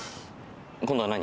今度は何？